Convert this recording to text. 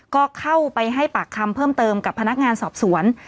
ก็เข้าไปให้ปากคำเพิ่มเติมกับพนักงานสอบสวน